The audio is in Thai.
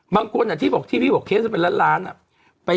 บางคนที่พี่บอกเคสจะเป็นล้านอะ